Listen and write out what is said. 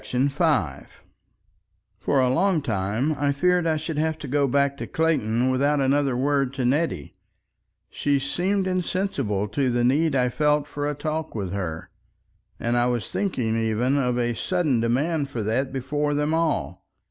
§ 5 For a long time I feared I should have to go back to Clayton without another word to Nettie, she seemed insensible to the need I felt for a talk with her, and I was thinking even of a sudden demand for that before them all.